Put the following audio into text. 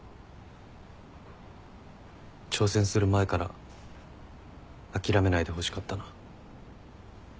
挑戦する前から諦めないでほしかったな。